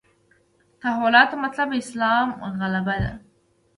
تحولاتو مطلب اسلام غلبه ده.